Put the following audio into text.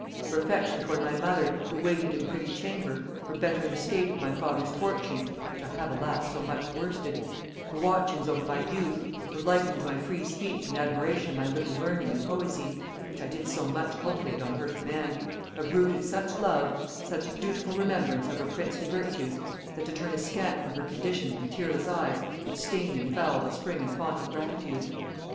Her affection to my mother, who waited in privy chamber, her bettering the state of my father's fortune (which I have, alas, so much worsted), her watchings over my youth, her liking to my free speech and admiration of my little learning and poesy, which I did so much cultivate on her command, have rooted such love, such dutiful remembrance of her princely virtues, that to turn askant from her condition with tearless eyes, would stain and foul the spring and fount of gratitude.